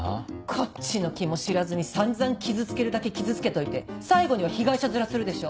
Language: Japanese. こっちの気も知らずに散々傷つけるだけ傷つけといて最後には被害者ヅラするでしょ？